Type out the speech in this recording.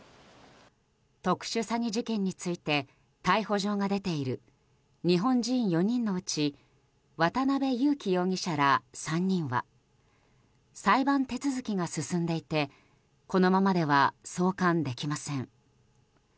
特殊詐欺事件について逮捕状が出ている日本人４人のうち渡邉優樹容疑者ら３人は裁判手続きが進んでいてこのままでは送還できません。